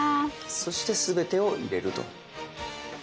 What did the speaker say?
そして全てを入れると。